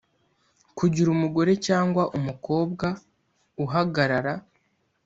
Kugira umugore cyangwa umukobwa uhagarara